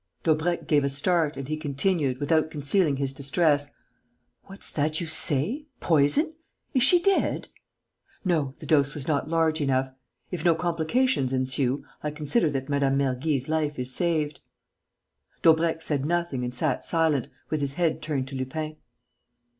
Daubrecq gave a start and he continued, without concealing his distress: "What's that you say? Poison! Is she dead?" "No, the dose was not large enough. If no complications ensue, I consider that Mme. Mergy's life is saved." Daubrecq said nothing and sat silent, with his head turned to Lupin.